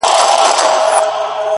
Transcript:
دغه انسان بېشرفي په شرافت کوي ـ